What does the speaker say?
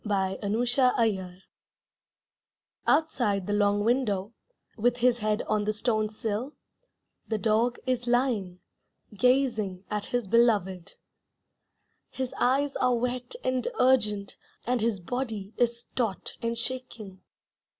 Fool's Money Bags Outside the long window, With his head on the stone sill, The dog is lying, Gazing at his Beloved. His eyes are wet and urgent, And his body is taut and shaking.